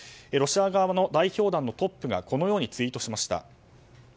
ロシア側の代表団のトップがこのようにツイートしました。